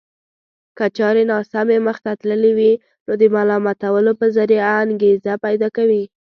که چارې ناسمې مخته تللې وي نو د ملامتولو په ذريعه انګېزه پيدا کوي.